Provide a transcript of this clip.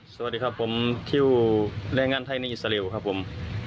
สวัสดีครับผมคิวแรงงานไทยในอิสราเอลครับผม